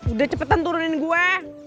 udah cepetan turunin gue